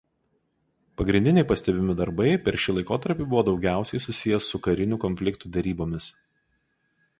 Pagrindiniai pastebimi darbai per šį laikotarpį buvo daugiausiai susiję su karinių konfliktų derybomis.